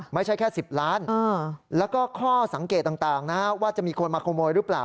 ไม่ใช่แค่๑๐ล้านแล้วก็ข้อสังเกตต่างนะว่าจะมีคนมาขโมยหรือเปล่า